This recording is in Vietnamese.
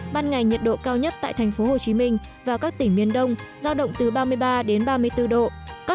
ban ngày nhiệt độ cao nhất tại thành phố hồ chí minh và các tỉnh miền đông giao động từ ba mươi ba ba mươi bốn độ